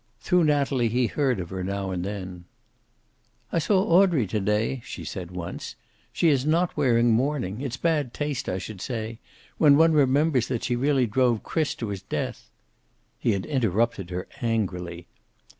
Through Natalie he heard of her now and then. "I saw Audrey to day," she said once. "She is not wearing mourning. It's bad taste, I should say. When one remembers that she really drove Chris to his death " He had interrupted her, angrily.